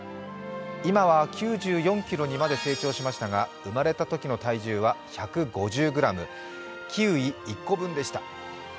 今は９４ｋｇにまで成長しましたが生まれたときの体重は１５０ｇ、キウイ１個分でした。